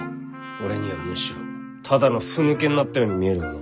俺にはむしろただのふぬけになったように見えるがな。